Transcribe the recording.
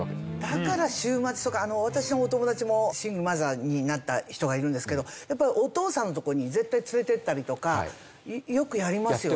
だから週末とか私のお友達もシングルマザーになった人がいるんですけどやっぱりお父さんのところに絶対連れていったりとかよくやりますよね。